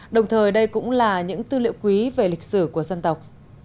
đồng thời đây cũng là những tư liệu quý về lịch sử của dân tộc